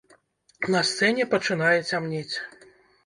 На сцэне пачынае цямнець.